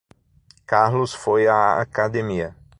Carlos foi à academia.